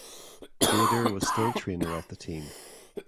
Bader was still trainer of the team.